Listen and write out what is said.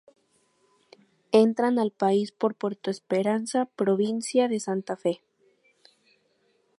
Entran al país por Puerto Esperanza, Provincia de Santa Fe.